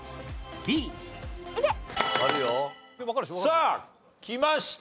さあきました。